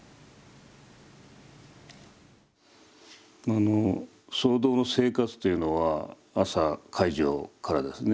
あの僧堂の生活というのは朝開静からですね